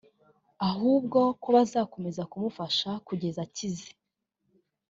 ahubwo ko bizakomeza kumufasha kugeza akize